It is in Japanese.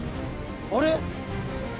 あれ？